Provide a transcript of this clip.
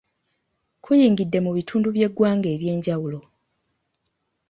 Kuyingidde mu bitundu by’eggwanga ebyenjawulo.